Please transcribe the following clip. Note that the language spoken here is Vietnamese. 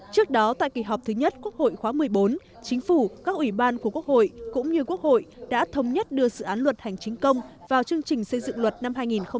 trước đó tại kỳ họp thứ nhất quốc hội khóa một mươi bốn chính phủ các ủy ban của quốc hội cũng như quốc hội đã thống nhất đưa sự án luật hành chính công vào chương trình xây dựng luật năm hai nghìn một mươi chín